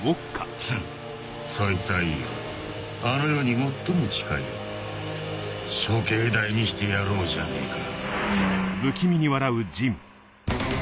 フンそいつはいいやあの世に最も近い処刑台にしてやろうじゃねえか。